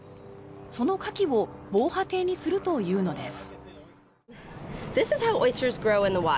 そのカキを防波堤にするというのです。